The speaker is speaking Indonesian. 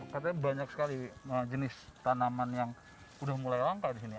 katanya banyak sekali jenis tanaman yang udah mulai langka di sini